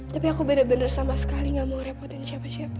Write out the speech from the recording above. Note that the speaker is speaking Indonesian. tapi aku bener bener sama sekali gak mau ngerepotin siapa siapa